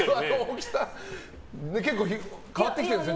結構変わってきてるんですね。